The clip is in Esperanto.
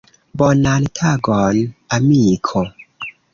Bonan tagon, amiko.